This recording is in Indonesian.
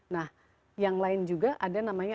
nah yang lain juga ada namanya